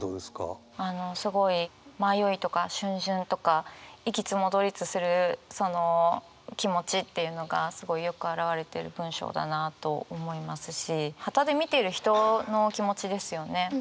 あのすごい迷いとかしゅん巡とか行きつ戻りつするその気持ちっていうのがすごいよく表れてる文章だなと思いますし端で見てる人の気持ちですよね？